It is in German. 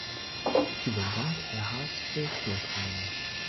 Vielen Dank, Herr Habsburg-Lothringen!